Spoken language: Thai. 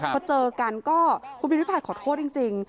พอเจอกันก็คุณพิมพิพายขอโทษจริง